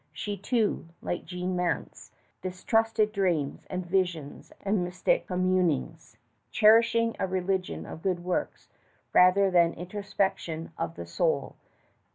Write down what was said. She too, like Jeanne Mance, distrusted dreams and visions and mystic communings, cherishing a religion of good works rather than introspection of the soul.